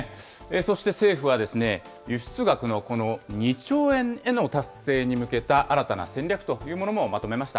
そして政府は、輸出額の２兆円への達成に向けた新たな戦略というものもまとめました。